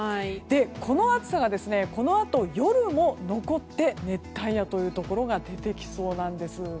この暑さが、このあと夜も残って熱帯夜というところが出てきそうなんです。